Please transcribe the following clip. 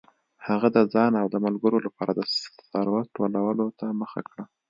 هغه د ځان او ملګرو لپاره د ثروت ټولولو ته مخه کړه.